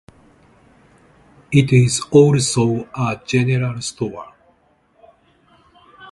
It is also a General Store.